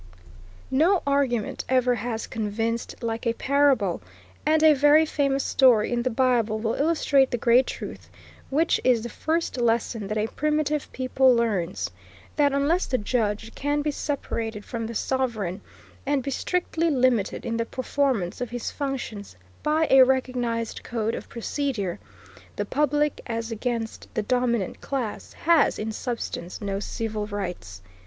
No argument ever has convinced like a parable, and a very famous story in the Bible will illustrate the great truth, which is the first lesson that a primitive people learns, that unless the judge can be separated from the sovereign, and be strictly limited in the performance of his functions by a recognized code of procedure, the public, as against the dominant class, has, in substance, no civil rights.